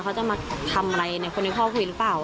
เขาจะมาทำอะไรในคนในครอบครัวคุยหรือเปล่า